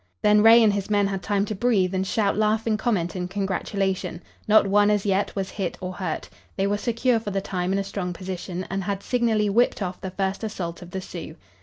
Then Ray and his men had time to breathe and shout laughing comment and congratulation. Not one, as yet, was hit or hurt. They were secure for the time in a strong position, and had signally whipped off the first assault of the Sioux.